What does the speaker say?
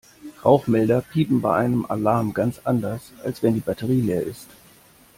Rauchmelder piepen bei einem Alarm ganz anders, als wenn die Batterie leer ist.